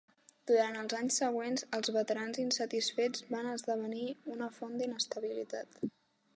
Durant els anys següents, els veterans insatisfets van esdevenir una font d'inestabilitat.